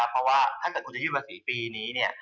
เพราะว่าถ้าเกิดคุณจะยื่นภาษีปีนี้เนี่ย